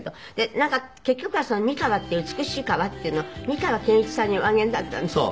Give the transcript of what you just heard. なんか結局は美川っていう美しい川っていうのは美川憲一さんにおあげになったんですって？